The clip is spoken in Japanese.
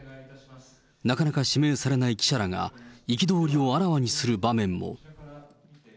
なかなか指名されない記者らが、憤りをあらわにする場面も。